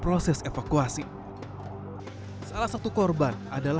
seorang wanita paruh bayam menangis sebagai asisten rumah tangga di toko ini